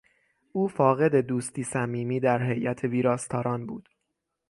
او فاقد دوستی صمیمی در هیئت ویراستاران بود.